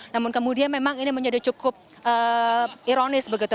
namun kemudian memang ini menjadi cukup ironis begitu